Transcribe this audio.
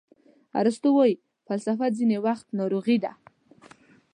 ارسطو وایي فلسفه ځینې وخت ناروغي ده.